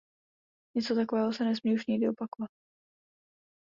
Něco takového se nesmí už nikdy opakovat.